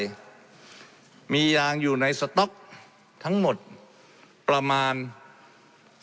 และมีผลกระทบไปทุกสาขาอาชีพชาติ